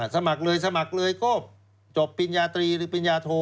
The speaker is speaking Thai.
สมัครเลยก็จบปริญญาตรีหรือปริญญาโท